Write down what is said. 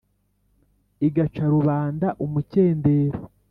Igaca rubanda umukendero